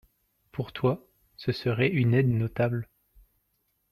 Pour toi, ce serait une aide notable.